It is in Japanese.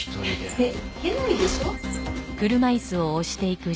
えっ？